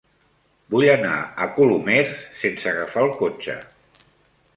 Vull anar a Colomers sense agafar el cotxe.